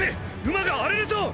馬が荒れるぞ！！